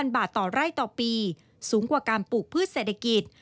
บาทต่อไร่ต่อปีสูงกว่าการปลูกพืชเศรษฐกิจ